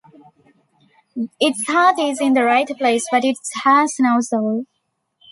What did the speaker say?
Its heart is in the right place, but it has no soul.